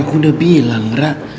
kan aku udah bilang rara